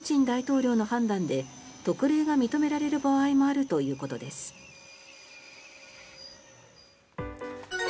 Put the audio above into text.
一方、プーチン大統領の判断で特例が認められる場合もあるということです。